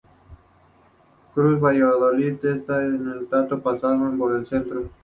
Cruza Valladolid de este a oeste pasando por el centro.